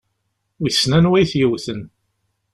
Wissen anwa i t-yewwten?